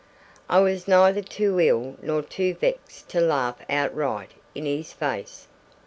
I was neither too ill nor too vexed to laugh outright in his face.